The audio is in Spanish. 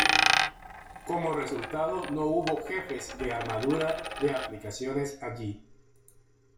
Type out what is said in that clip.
Como resultado, no hubo jefes de armadura de aplicaciones allí.